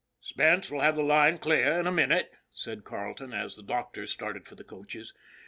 " Spence will have the line clear in a minute," said Carleton, as the doctors started for the coaches.